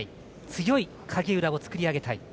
強い影浦を作り上げたい。